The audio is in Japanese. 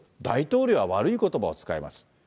大統領は悪いことばを使います。